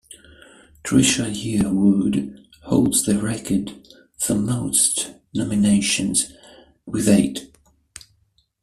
Trisha Yearwood holds the record for most nominations, with eight.